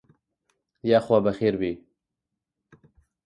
یاخوا بەخێر بێی.